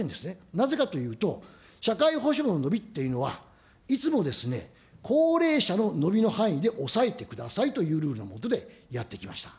なぜかというと、社会保障の伸びっていうのは、いつも高齢者の伸びの範囲で抑えてくださいというルールのもとでやってきました。